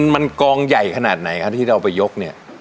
มันกองใหญ่ขนาดไหนครับที่เราไปยกเนี่ย